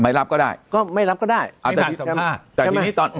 รับก็ได้ก็ไม่รับก็ได้อ่าแต่มีสัมภาษณ์แต่ทีนี้ตอน